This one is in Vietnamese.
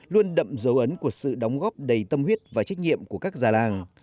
luôn đậm dấu ấn của sự đóng góp đầy tâm huyết và trách nhiệm của các già làng